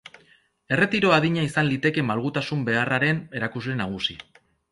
Erretiro adina izan liteke malgutasun beharraren erakusle nagusi.